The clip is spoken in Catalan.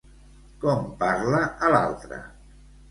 Com parla a l'altre?